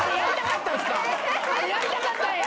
あれやりたかったんや！